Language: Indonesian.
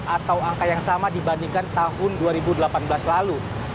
atau angka yang sama dibandingkan tahun dua ribu delapan belas lalu